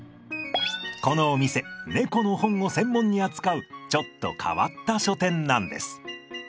このお店猫の本を専門に扱うちょっと変わった書店なんです。